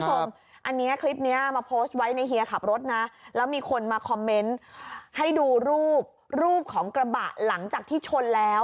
คุณผู้ชมอันนี้คลิปนี้มาโพสต์ไว้ในเฮียขับรถนะแล้วมีคนมาคอมเมนต์ให้ดูรูปรูปของกระบะหลังจากที่ชนแล้ว